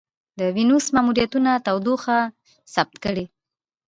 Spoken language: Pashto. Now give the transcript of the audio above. د وینوس ماموریتونه تودوخه ثبت کړې.